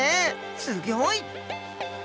すギョい。